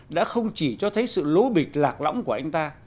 đã không chỉ cho thấy sự lố bịch lạc lõng của anh ta